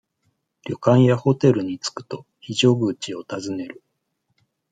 旅館やホテルに着くと、非常口を尋ねる。